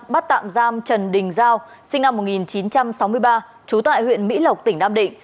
bắt tạm giam trần đình giao sinh năm một nghìn chín trăm sáu mươi ba trú tại huyện mỹ lộc tỉnh nam định